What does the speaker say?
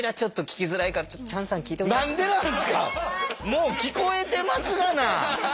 もう聞こえてますがな。